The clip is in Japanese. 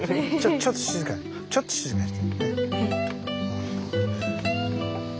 ちょっと静かにちょっと静かにして。